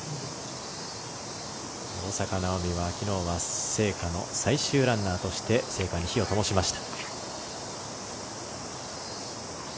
大坂なおみはきのうは聖火の最終ランナーとして聖火に火をともしました。